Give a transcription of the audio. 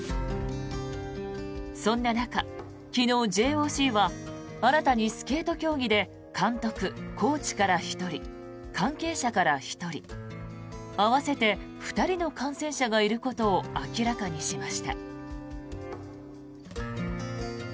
そんな中、昨日、ＪＯＣは新たにスケート競技で監督・コーチから１人関係者から１人合わせて２人の感染者がいることを明らかにしました。